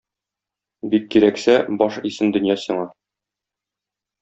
Бик кирәксә, баш исен дөнья сиңа.